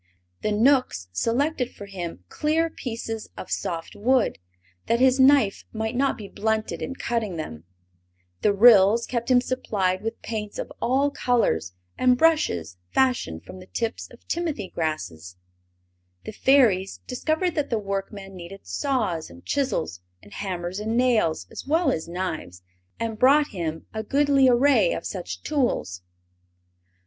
The Knooks selected for him clear pieces of soft wood, that his knife might not be blunted in cutting them; the Ryls kept him supplied with paints of all colors and brushes fashioned from the tips of timothy grasses; the Fairies discovered that the workman needed saws and chisels and hammers and nails, as well as knives, and brought him a goodly array of such tools.